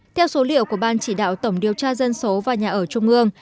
theo số liệu của ban chỉ đạo tổng điều tra dân số và nhà ở trung ương